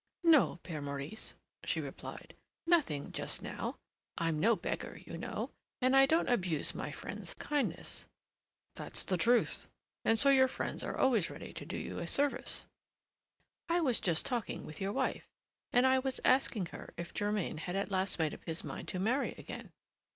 "No, Père Maurice," she replied; "nothing just now. I'm no beggar, you know, and I don't abuse my friends' kindness." "That's the truth; and so your friends are always ready to do you a service." "I was just talking with your wife, and I was asking her if Germain had at last made up his mind to marry again."